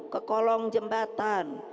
ke kolong jembatan